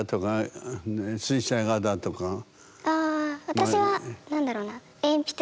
私は何だろうな。